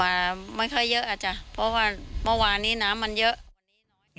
มาไม่ค่อยเยอะอาจจะเพราะว่าเมื่อวานนี้น้ำมันเยอะ